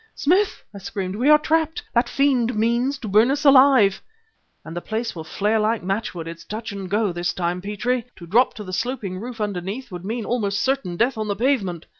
"Smith!" I screamed, "we are trapped! that fiend means to burn us alive!" "And the place will flare like matchwood! It's touch and go this time, Petrie! To drop to the sloping roof underneath would mean almost certain death on the pavement...."